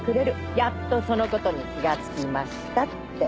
やっとそのことに気がつきました」って。